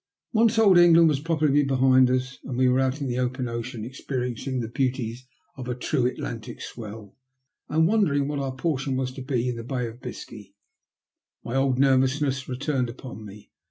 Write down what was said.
Once Old England was properly behind us, and we were out on the open ocean, experiencmg the beauties of a true Atlantic swell, and wondering what our portion was to be in the Bay of Biscay, mj old nervousness returned upon me.